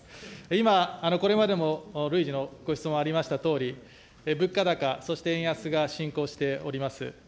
今、これまでも累次のご質問ありましたとおり、物価高、そして円安が進行しております。